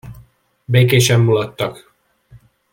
Békésen mulattak.